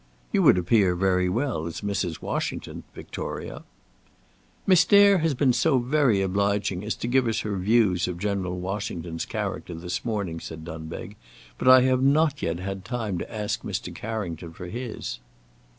"You would appear very well as Mrs. Washington, Victoria." "Miss Dare has been so very obliging as to give us her views of General Washington's character this morning," said Dunbeg, "but I have not yet had time to ask Mr. Carrington for his."